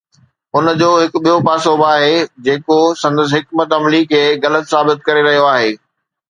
ان جو هڪ ٻيو پاسو به آهي جيڪو سندس حڪمت عملي کي غلط ثابت ڪري رهيو آهي.